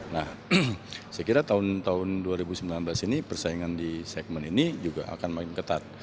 nah saya kira tahun dua ribu sembilan belas ini persaingan di segmen ini juga akan makin ketat